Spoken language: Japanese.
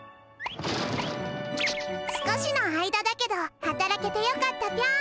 少しの間だけどはたらけてよかったぴょん。